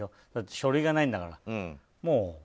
書類がないんだから。